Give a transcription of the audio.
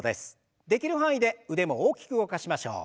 できる範囲で腕も大きく動かしましょう。